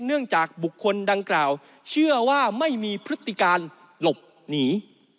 เนื่องจากบุคคลดังกล่าวเชื่อว่าไม่มีพฤติการหลบหนี